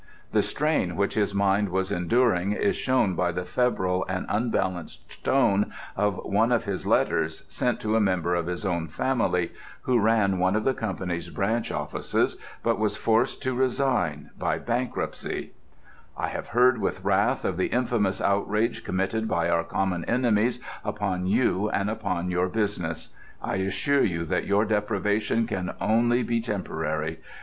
The strain which his mind was enduring is shown by the febrile and unbalanced tone of one of his letters, sent to a member of his own family who ran one of the company's branch offices but was forced to resign by bankruptcy: "I have heard with wrath of the infamous outrage committed by our common enemies upon you and upon your business. I assure you that your deprivation can be only temporary.